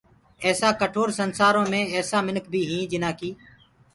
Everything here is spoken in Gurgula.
ايسآ ڪٺور سنسآرو ايسآ مِنک بي هيٚنٚ جنآ ڪي